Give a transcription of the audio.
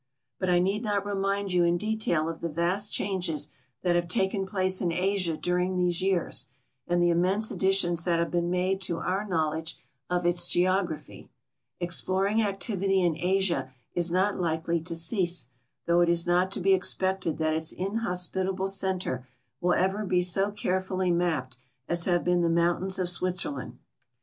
Ikit I need not reniin«l you in detail of the vast changes that have taken place in Asia dur ing these years and the immense additions that have been made to our knowledge of its geography. Exploring activity in Asia is not likely to cease, though it is not to be expected that its in hospitable center will ever be so carefully n)ai)p('d as have been the mountains of Switzerland.